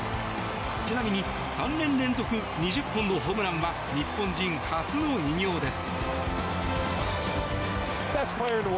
ちなみに３年連続２０本のホームランは日本人初の偉業です。